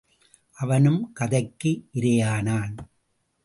அவனும் கதைக்கு இரையானான்.